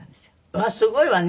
うわすごいわね！